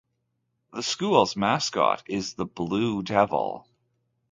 The school's mascot is the Blue Devil.